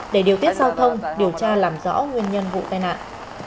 để điều tiết giao thông điều tra làm rõ nguyên nhân vụ tai nạn